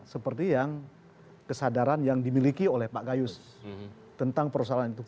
seperti yang kesadaran yang dimiliki oleh pak gayus tentang persoalan itu